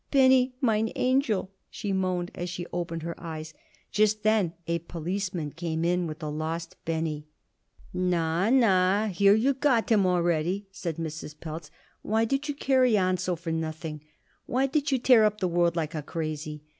"Benny, mine angel!" she moaned as she opened her eyes. Just then a policeman came in with the lost Benny. "Na, na, here you got him already!" said Mrs. Pelz "Why did you carry on so for nothing? Why did you tear up the world like a crazy?"